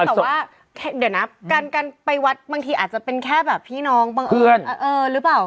ไม่แต่ว่าเดี๋ยวนะการไปวัดบางทีอาจจะเป็นแค่พี่น้องหรือเปล่าเพื่อน